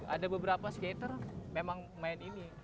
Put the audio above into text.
ada beberapa skater memang main ini